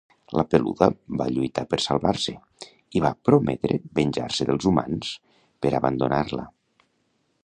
La Peluda va lluitar per salvar-se i va prometre venjar-se dels humans per abandonar-la